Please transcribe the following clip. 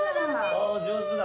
おぉ上手だ。